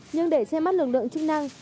nhưng để che mắt lực lượng chức năng